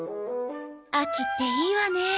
秋っていいわね。